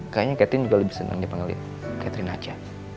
kayaknya cathene juga lebih senang dipanggil catherine aja